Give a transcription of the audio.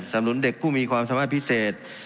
สำนุนเด็กผู้มีความสำหรับพิเศษ